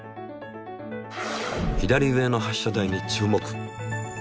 左上の発射台に注目。